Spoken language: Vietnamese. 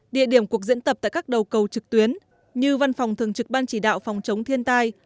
địa điểm cuộc diễn tập tại các đầu cầu trực tuyến như văn phòng thường trực ban chỉ đạo phòng chống thiên tai